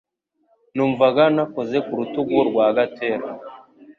Numvaga nakoze ku rutugu rwa Gatera.